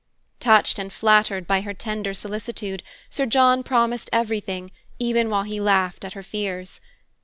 Touched and flattered by her tender solicitude, Sir John promised everything, even while he laughed at her fears.